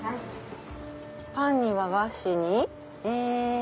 パンに和菓子にえ。